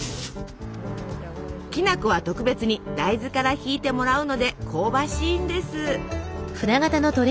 きな粉は特別に大豆からひいてもらうので香ばしいんです。